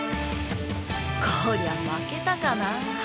こりゃ負けたかなぁ。